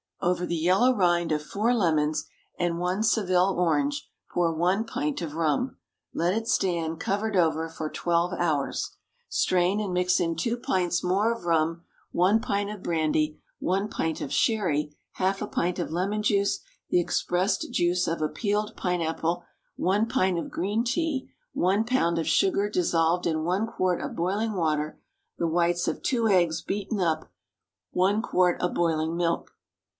Over the yellow rind of four lemons and one Seville orange, pour one pint of rum. Let it stand, covered over, for twelve hours. Strain and mix in two pints more of rum, one pint of brandy, one pint of sherry, half a pint of lemon juice, the expressed juice of a peeled pine apple, one pint of green tea, one pound of sugar dissolved in one quart of boiling water, the whites of two eggs beaten up, one quart of boiling milk.